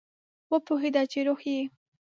وپوهیده چې روح یې